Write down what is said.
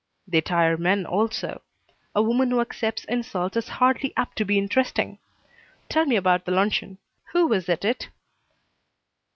"They tire men, also. A woman who accepts insult is hardly apt to be interesting. Tell me about the luncheon. Who was at it?"